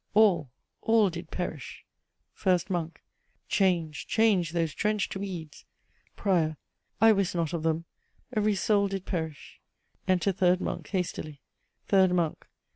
All, all did perish FIRST MONK. Change, change those drenched weeds PRIOR. I wist not of them every soul did perish Enter third Monk hastily. "THIRD MONK.